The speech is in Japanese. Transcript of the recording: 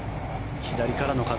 左からの風。